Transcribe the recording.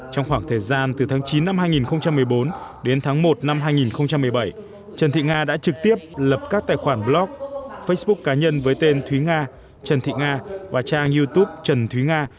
trong khoảng thời gian từ tháng chín năm hai nghìn một mươi bốn đến tháng một năm hai nghìn một mươi bảy trần thị nga đã trực tiếp lập các tài khoản blog facebook cá nhân với tên thúy nga trần thị nga và trang youtube trần thúy nga